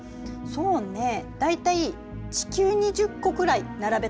そうね大体地球２０個くらい並べた大きさかしら。